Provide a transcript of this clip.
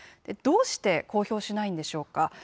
どうして公表しないんでしょうか。